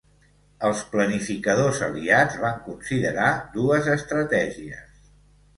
Els planificadors aliats van considerar dues estratègies.